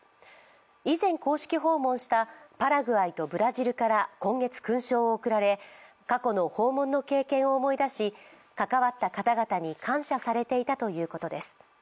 以前、公式訪問したパラグアイとブラジルから今月、勲章を送られ過去の訪問の経験を思い出し関わった方々に感謝されていたということです。